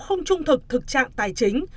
không trung thực thực trạng tài chính